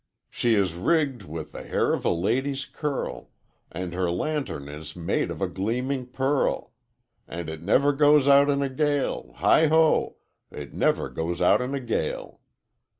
'She is rigged with the hair of a lady's curl, And her lantern is made of a gleaming pearl, And it never goes out in a gale Heigh ho! It never goes out in a gale.